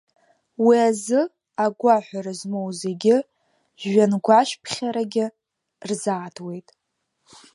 Уи азы агәаҳәара змоу зегьы жәҩангәашәԥхьарагьы рзаатуеит.